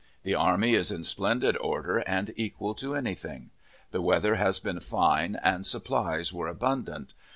The army is in splendid order, and equal to any thing. The weather has been fine, and supplies were abundant.